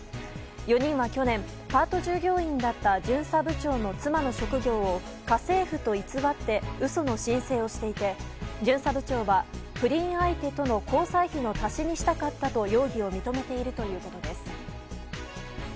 ４人は去年、パート従業員だった巡査部長の妻の職業を家政婦と偽って、うその申請をしていて、巡査部長は、不倫相手との交際費の足しにしたかったと、容疑を認めているということです。